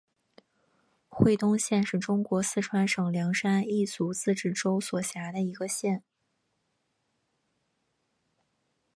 会东县是中国四川省凉山彝族自治州所辖的一个县。